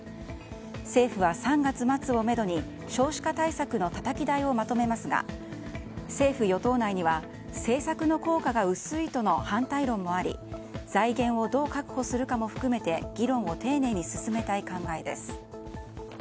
政府は３月末をめどに少子化対策のたたき台をまとめますが政府・与党内には政策の効果が薄いとの反対論もあり財源をどう確保するかも含めて議論を丁寧に進めたい考えです。